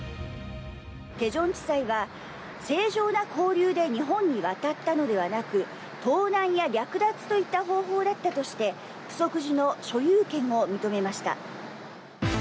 大田地裁は正常な交流で日本に渡ったのではなく盗難や略奪といった方法だったとして浮石寺の所有権を認めました。